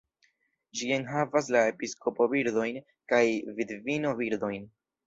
Ĝi enhavas la "episkopo-birdojn" kaj "vidvino-birdojn".